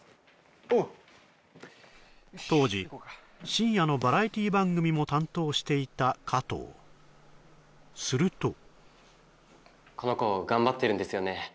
おう当時深夜のバラエティ番組も担当していた加藤するとこの子頑張ってるんですよね